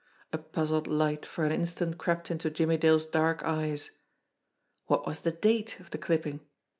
A puzzled light for an instant crept into Jimmie Dale's dark eyes. What was the date of the clipping?